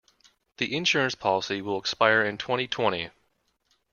The insurance policy will expire in twenty-twenty.